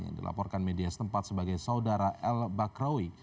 yang dilaporkan media setempat sebagai saudara el bakroi